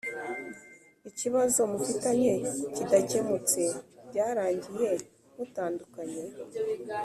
Ikibazo mufitanye kidakemutse byarangira mutandukanye